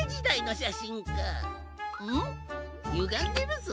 ゆがんでるぞ。